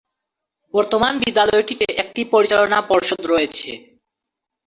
বর্তমানে বিদ্যালয়টিতে একটি পরিচালনা পর্ষদ রয়েছে।